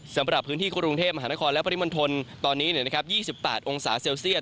สำหรับพื้นที่กรุงเทพมหานครและปริมณฑลตอนนี้๒๘องศาเซลเซียต